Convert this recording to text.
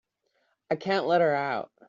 I can't let her out.